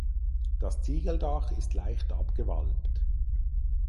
Das Ziegeldach ist leicht abgewalmt.